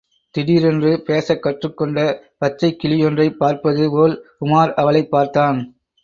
திடீரென்று பேசக் கற்றுக் கொண்ட பச்சைக் கிளியொன்றைப் பார்ப்பது போல் உமார் அவளைப் பார்த்தான்.